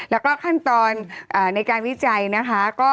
แล้วก็ขั้นตอนในการวิจัยนะคะ